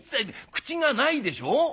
口がないでしょう？